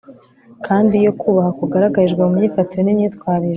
kandi iyo kubaha kugaragarijwe mu myifatire n'imyitwarire